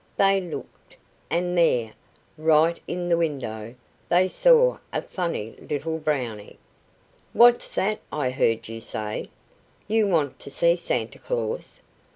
They looked, and there, right in the window, they saw a funny little Brownie. "What's that I heard you say? You want to see Santa Claus?